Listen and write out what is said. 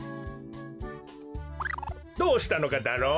どうしたのかダロ？